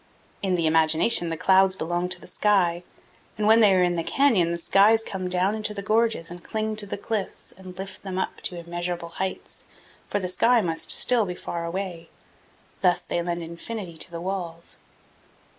In the imagination the clouds belong to the sky, and when they are in the canyon the skies come down into the gorges and cling to the cliffs and lift them up to immeasurable heights, for the sky must still be far away. Thus they lend infinity to the walls.